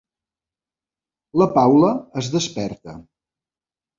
La Paula es desperta.